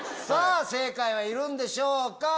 正解はいるんでしょうか？